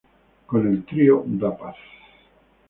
Con el Trío da Paz